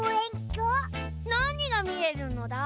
なにがみえるのだ？